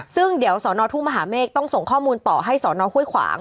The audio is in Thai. ซึ่งเดี๋ยวสอนอทุ่งมหาเมฆต้องส่งข้อมูลต่อให้สอนอห้วยขวาง